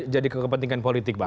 jadi kepentingan politik bang